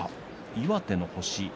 岩手の星。